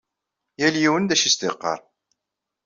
Yal yiwen d acu i as-d-yeqqar.